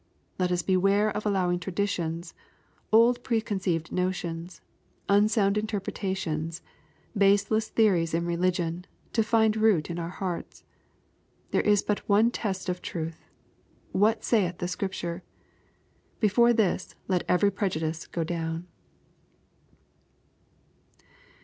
Let uh beware of allowing traditions, old preconceived notions, unsound interpretations, baseless theories in religion, to find root in our hearts. There is but one test of truth —" What saith the Scripture ?" Before this let every prejudice go down.